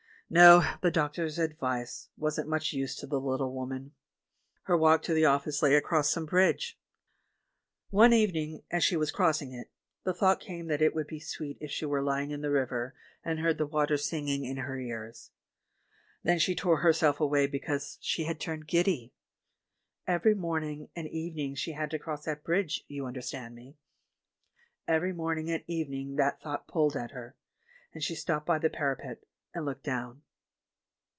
... No, the doctor's advice wasn't much use to the little woman. Her walk to the office lay across some bridge. One even ing, as she was crossing it, the thought came that it would be sweet if she were lying in the river and heard the water singing in her ears. Then she tore herself away because she had turned giddy. Every morning and evening she had to cross that bridge, you understand me. Every morning and evening that thought pulled at her, and she stopped by the parapet and looked down."